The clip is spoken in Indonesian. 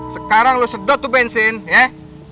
sekarang lo sedot tuh bensin ya